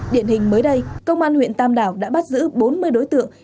điện hình mới đây công an huyện tam đảo đã bắt giữ bốn mươi đối tượng